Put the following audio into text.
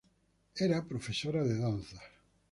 Era profesora de danzas.